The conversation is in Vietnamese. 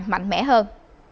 mạnh mẽ hơn